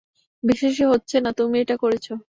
বিশ্বাসই হচ্ছে না তুমি এটা করেছ।